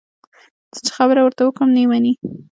زه چې خبره ورته وکړم، نه یې مني.